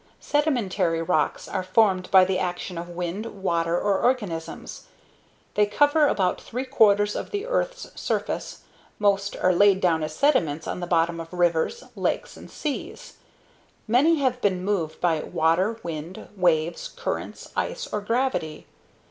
SEDIMENTARY rocks are formed by the action of wind, water, or organisms. They cover about three quarters of the Earth's surface. Most are laid down as sediments on the bottom of rivers, lakes and seas. Many have been moved by water, wind, waves, currents, ice or gravity.